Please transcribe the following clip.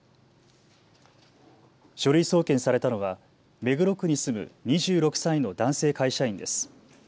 書類送検されたのは目黒区に住む２６歳の男性会社員です。